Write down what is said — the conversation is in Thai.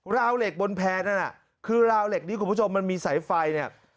ราวเหล็กบนแพร่นั่นน่ะคือราวเหล็กนี้คุณผู้ชมมันมีสายไฟเนี่ย